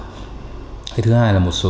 thứ hai là một số cái thị trường các nước asean